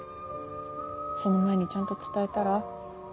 その前にちゃんと伝えたら？